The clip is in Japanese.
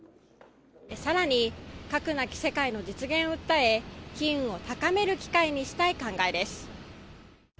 更に、核なき世界の実現を訴え機運を高める機会にしたい考えです。